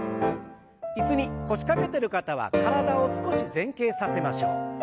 椅子に腰掛けてる方は体を少し前傾させましょう。